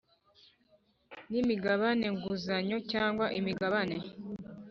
n imigabane nguzanyo cyangwa imigabane